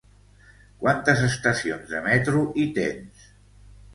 Quantes estacions de metro hi tens?